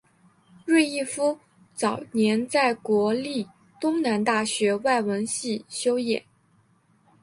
芮逸夫早年在国立东南大学外文系修业。